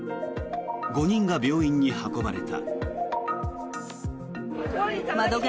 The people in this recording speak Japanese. ５人が病院に運ばれた。